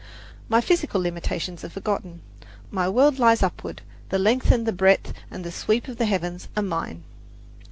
My physical limitations are forgotten my world lies upward, the length and the breadth and the sweep of the heavens are mine!